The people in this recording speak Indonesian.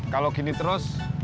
kalau gini terus